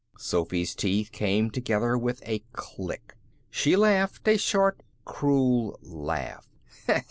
Sophy's teeth came together with a click. She laughed a short cruel little laugh.